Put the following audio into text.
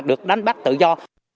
được đánh bắt tự do